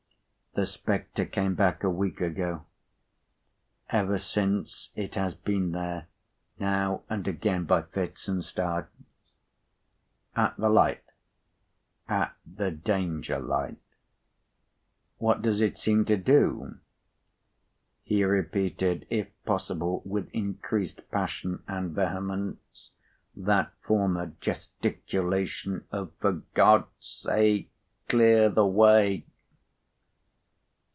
The spectre came back, a week ago. Ever since, it has been there, now and again, by fits and starts." "At the light?" "At the Danger light." "What does it seem to do?" He repeated, if possible with increased passion and vehemence, that former gesticulation of "For God's sake clear the way!"